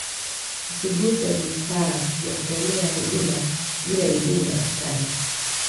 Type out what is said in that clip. usiguse vifaa vya kutolea huduma bila idhini ya daktari